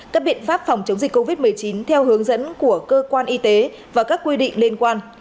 các biện pháp phòng chống dịch covid một mươi chín theo hướng dẫn của cơ quan y tế và các quy định liên quan